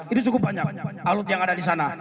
ini cukup banyak alut yang ada di sana